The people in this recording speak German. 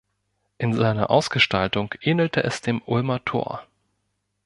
In seiner Ausgestaltung ähnelte es dem Ulmer Tor.